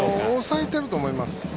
抑えていると思います。